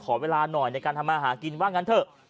ขอเวลาหน่อยในการทำมาหากินว่างั้นเถอะ